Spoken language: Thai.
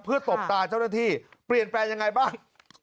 เพื่อตบตาเจ้าหน้าที่เปลี่ยนแปลงยังไงบ้าง